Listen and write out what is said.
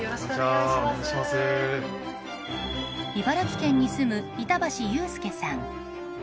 茨城県に住む板橋裕介さん。